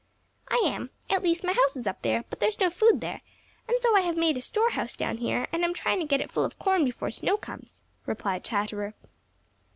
"I am. At least, my house is up there, but there is no food there, and so I have made a store house down here and am trying to get it full of corn before snow comes," replied Chatterer.